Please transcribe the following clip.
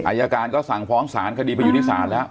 ใช่ใช่อายการก็สั่งฟ้องสารคดีไปยูนิสานแล้ว